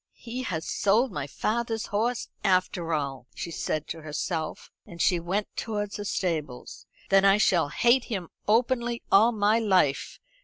"He has sold my father's horse, after all," she said to herself, as she went towards the stables. "Then I shall hate him openly all my life.